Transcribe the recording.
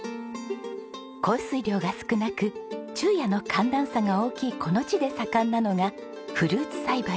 降水量が少なく昼夜の寒暖差が大きいこの地で盛んなのがフルーツ栽培。